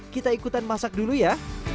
kita ikutan masak dulu ya